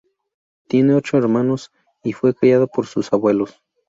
Tiene ocho hermanos y fue criada por sus abuelos.